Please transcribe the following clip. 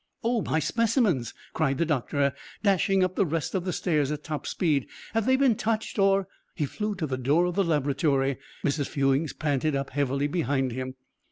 "Oh, my specimens!" cried the doctor, dashing up the rest of the stairs at top speed. "Have they been touched or " He flew to the door of the laboratory. Mrs. Fewings panted up heavily behind him.